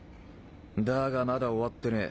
世まだ終わってねえ。